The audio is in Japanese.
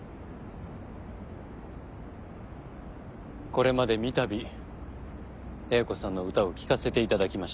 これまで三度英子さんの歌を聴かせていただきました。